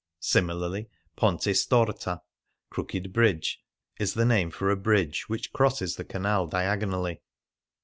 "' Similarly " Ponte Storta" (Crooked Bridge) is the name for a bridge which crosses the canal diagonally.